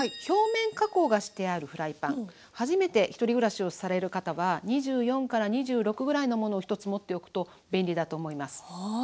表面加工がしてあるフライパン初めて１人暮らしをされる方は２４２６ぐらいのものを１つ持っておくと便利だと思います。